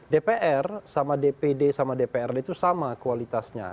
dpr sama dpd sama dprd itu sama kualitasnya